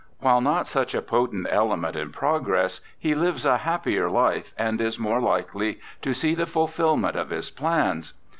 While not such a potent element in progress, he lives a happier life, and is more likely to see the fulfilment of his plans.